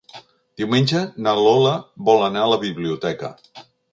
Diumenge na Lola vol anar a la biblioteca.